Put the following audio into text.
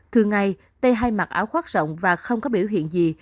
thường ngày tê hay mặc áo khoác rộng và không có biểu hiện gì